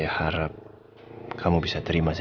ya kan aku pikir kamu tau mas